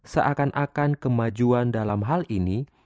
seakan akan kemajuan dalam hal ini